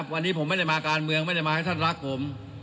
วันนี้ผมไม่ได้มาการเมืองไม่ได้มาให้ท่านรักผม